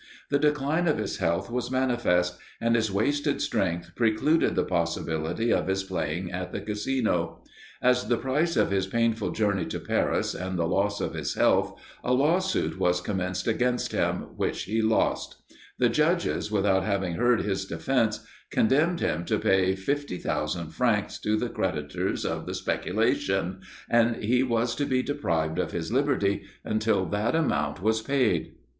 The decline of his health was manifest; and his wasted strength precluded the possibility of his playing at the Casino. As the price of his painful journey to Paris, and the loss of his health, a law suit was commenced against him, which he lost; the judges, without having heard his defence, condemned him to pay 50,000f. to the creditors of the speculation, and he was to be deprived of his liberty until that amount was paid.